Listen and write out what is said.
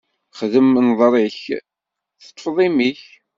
Xedm nnḍeṛ-ik, teṭṭefḍ imi-k!